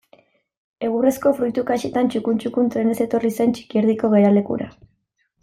Egurrezko fruitu kaxetan txukun-txukun trenez etorri zen Txikierdiko geralekura.